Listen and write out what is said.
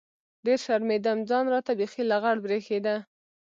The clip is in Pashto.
ډېر شرمېدم ځان راته بيخي لغړ بريښېده.